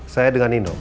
saya dengan nino